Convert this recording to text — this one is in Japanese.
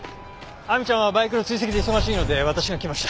亜美ちゃんはバイクの追跡で忙しいので私が来ました。